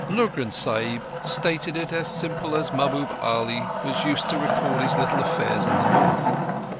Lurgan Sahib stated it as simply as Mahbub Ali was used to record his little affairs in the North.